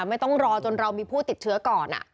ไม่ต้องรอจนเรามีผู้ติดเชื้อก่อน